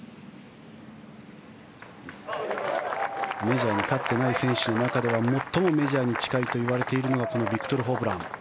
メジャーに勝っていない選手の中では最もメジャーに近いといわれているのがこのビクトル・ホブラン。